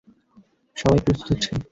সবাই প্রস্তুত হচ্ছে।